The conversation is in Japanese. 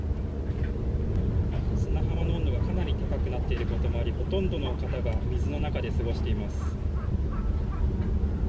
砂浜の温度がかなり高くなっていることもありほとんどの方が水の中で過ごしています。